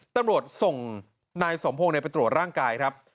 ตำรวจส่งนายสมพงศ์ไปตรวจร่างกายครับ